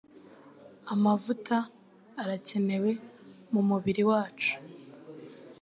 Amavuta arakenewe mu mubiri wacu